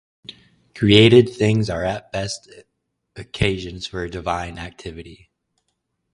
Created things are at best "occasions" for divine activity.